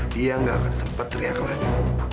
dia nggak akan sempat teriak lagi